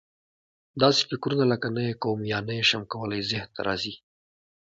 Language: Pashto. داسې فکرونه لکه: نه یې کوم یا نه یې شم کولای ذهن ته راځي.